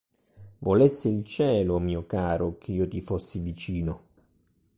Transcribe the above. Volesse il cielo, mio caro, che io ti fossi vicino.